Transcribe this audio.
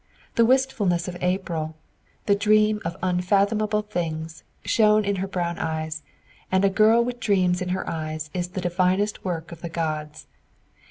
The wistfulness of April, the dream of unfathomable things, shone in her brown eyes; and a girl with dreams in her eyes is the divinest work of the gods.